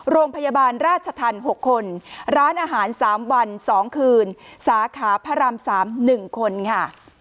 โรงพยาบาลราชธรรม๖คนร้านอาหาร๓วัน๒คืนสาขาพระราม๓๑คนค่ะ